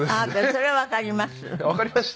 それはわかります。